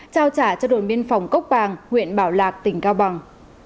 trao trả cho đồn biên phòng cốc bàng huyện bảo lạc tỉnh cao bằng